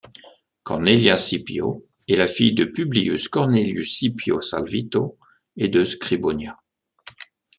Cornelia Scipio est la fille de Publius Cornelius Scipio Salvito et de Scribonia.